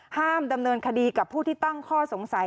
ห้ามดำเนินคดีกับผู้ที่ตั้งข้อสงสัย